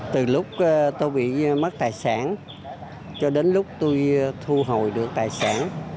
từ lúc tôi bị mất tài sản cho đến lúc tôi thu hồi được tài sản